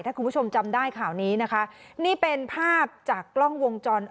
ถ้าคุณผู้ชมจำได้ข่าวนี้นะคะนี่เป็นภาพจากกล้องวงจร